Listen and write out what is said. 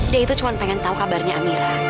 dia itu cuma pengen tahu kabarnya amira